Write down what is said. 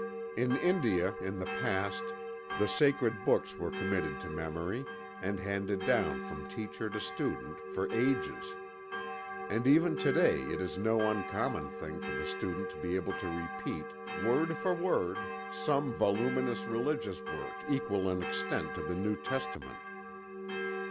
In India, in the past, the sacred books were committed to memory, and handed down from teacher to student, for ages. And even to day it is no uncommon thing for the student to be able to repeat, word for word, some voluminous religious work equal in extent to the New Testament.